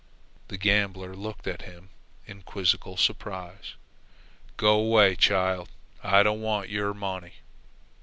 The gambler looked at him in quizzical surprise. "Go 'way, child. I don't want your money."